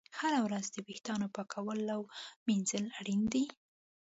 هره ورځ د ویښتانو پاکول او ږمنځول اړین دي.